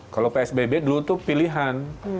kalau psbb dulu itu pilihan